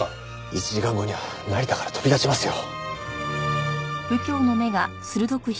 １時間後には成田から飛び立ちますよ。